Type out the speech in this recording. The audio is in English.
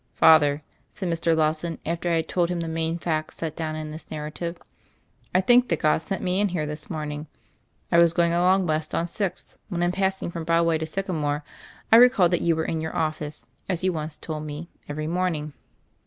"Father," said Mr. Lawson after I had told him the main facts set down in this narrative, "I think that God sent me in here this morning. I was going along west on Sixth, when, in pass ing from Broadway to Sycamore, I recalled that you were in your office, as you once told me, every morning.